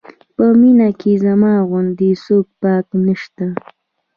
په مینه کې زما غوندې څوک پاک نه شته.